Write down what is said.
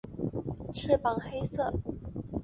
翅膀黑色。